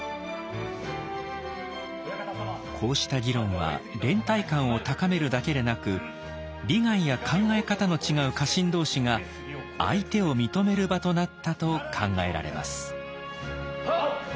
こうした議論は連帯感を高めるだけでなく利害や考え方の違う家臣同士が相手を認める場となったと考えられます。